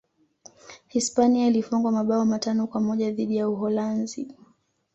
hispania ilifungwa mabao matano kwa moja dhidi ya uholanzi